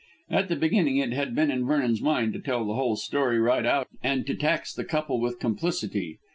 At the beginning it had been in Vernon's mind to tell the whole story right out and to tax the couple with complicity.